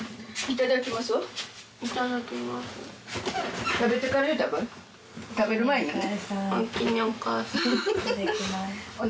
いただきます。